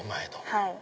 はい。